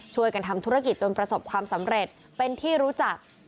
ช่วยกันทำธุรกิจจนประสบความสำเร็จเป็นที่รู้จัก